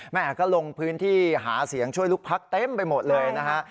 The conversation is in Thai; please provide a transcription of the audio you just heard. แม่ก็ลงพื้นที่หาเสียงช่วยลูกพักเต็มไปหมดเลยนะฮะ